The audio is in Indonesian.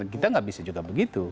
kita nggak bisa juga begitu